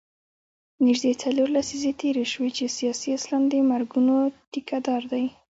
نژدې څلور لسیزې تېرې شوې چې سیاسي اسلام د مرګونو ټیکه دار دی.